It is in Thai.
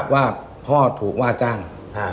ว่าพ่อถูกว่าจ้าง